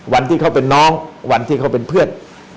วันที่เขาเป็นน้องวันที่เขาเป็นเพื่อน